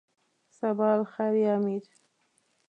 صباح الخیر یا امیر.